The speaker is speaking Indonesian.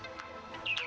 ini udah kaget